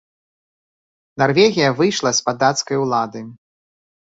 Нарвегія выйшла з-пад дацкай улады.